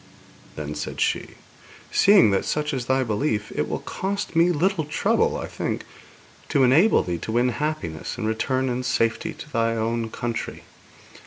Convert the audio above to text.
Then said she: 'Seeing that such is thy belief, it will cost me little trouble, I think, to enable thee to win happiness, and return in safety to thy own country.